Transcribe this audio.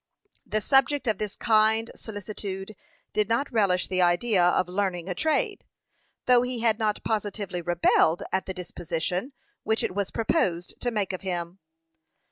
The subject of this kind solicitude did not relish the idea of learning a trade, though he had not positively rebelled at the disposition which it was proposed to make of him.